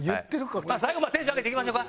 まあ最後までテンション上げていきましょか。